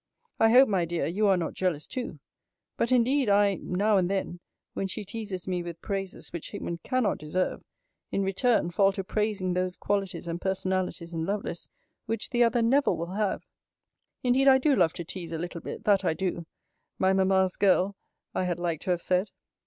I hope, my dear, you are not jealous too. But indeed I now and then, when she teases me with praises which Hickman cannot deserve, in return fall to praising those qualities and personalities in Lovelace, which the other never will have. Indeed I do love to tease a little bit, that I do. My mamma's girl I had like to have said.